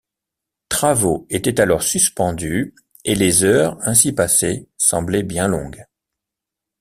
travaux étaient alors suspendus, et les heures, ainsi passées, semblaient bien longues!